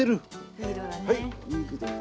いい色だね。